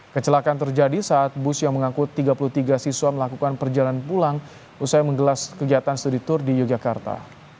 kecelakaan terjadi saat bus yang mengangkut tiga puluh tiga siswa melakukan perjalanan pulang usai menggelar kegiatan studi tour di yogyakarta